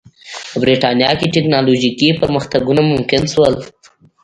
په برېټانیا کې ټکنالوژیکي پرمختګونه ممکن شول.